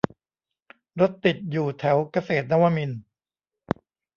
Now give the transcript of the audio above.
รถติดอยู่แถวเกษตรนวมินทร์